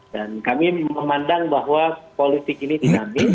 dan kami memandang bahwa politik ini dinamis